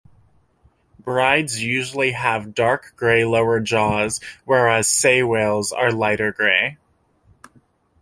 Bryde's usually have dark grey lower jaws, whereas sei whales are lighter grey.